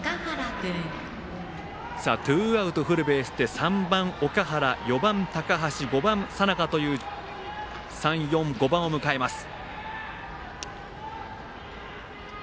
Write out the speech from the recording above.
ツーアウト、フルベースで３番、岳原、４番、高橋５番、佐仲という３、４、５番を迎えます。